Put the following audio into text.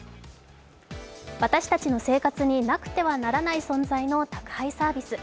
私たちの生活になくてはならない存在の宅配サービス。